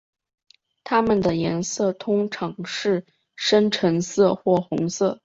它们的颜色通常是深橙色或红色。